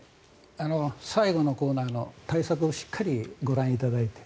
最後のコーナーの対策をしっかりご覧いただいて。